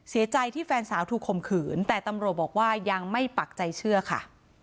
เสียใจที่แฟนสาวถูกข่มขืนแต่ตำรวจบอกว่ายังไม่ปักใจเชื่อค่ะ